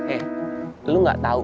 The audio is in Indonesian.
eh lu enggak tahu